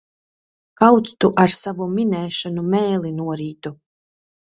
Kaut tu ar savu minēšanu mēli norītu!